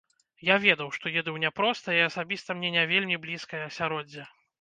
Я ведаў, што еду ў няпростае і асабіста мне не вельмі блізкае асяроддзе.